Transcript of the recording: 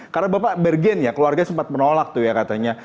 karena bapak bergen ya keluarganya sempat menolak tuh ya katanya